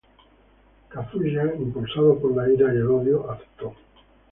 Kazuya, impulsado por la ira y el odio, aceptó.